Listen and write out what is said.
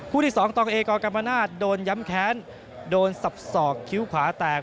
ที่สองตองเอกอกรรมนาศโดนย้ำแค้นโดนสับสอกคิ้วขวาแตก